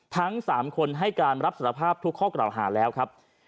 ทั้ง๓คนให้การรับสารภาพทุกข้อกล่าวหาแล้วครับ